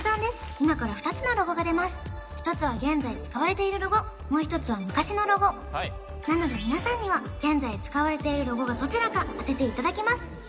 今から２つのロゴが出ます一つは現在使われているロゴもう一つは昔のロゴなので皆さんには現在使われているロゴがどちらか当てていただきます